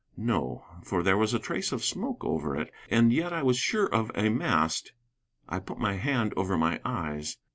No; for there was a trace of smoke over it. And yet I was sure of a mast. I put my hand over my eyes.